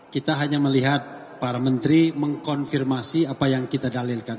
kita hanya melihat para menteri mengkonfirmasi apa yang kita dalilkan